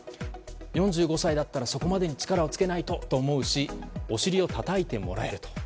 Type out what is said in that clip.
４５歳だったらそこまでに力をつけないとと思うしお尻をたたいてもらえると。